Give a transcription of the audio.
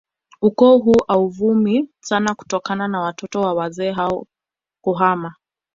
Ukoo huu hauvumi sana kutokana na watoto wa wazee hao kuhama